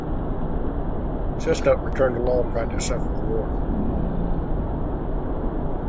Chesnut returned to law practice after the war.